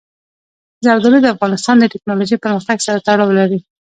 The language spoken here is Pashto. زردالو د افغانستان د تکنالوژۍ پرمختګ سره تړاو لري.